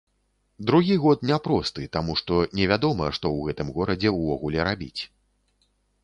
Другі год няпросты, таму што невядома, што ў гэтым горадзе ўвогуле рабіць.